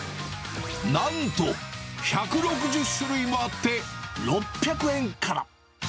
なんと１６０種類もあって、６００円から。